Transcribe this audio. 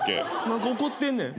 何か怒ってんねん。